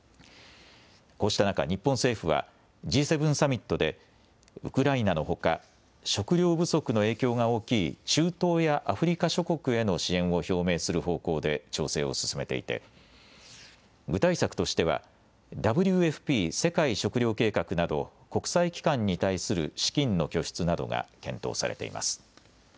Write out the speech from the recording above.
こうした中、日本政府はＧ７サミットで、ウクライナのほか、食糧不足の影響が大きい中東やアフリカ諸国への支援を表明する方向で、調整を進めていて、具体策としては、ＷＦＰ・世界食糧計画など、国際機関に対する資金の拠出などが検討されています。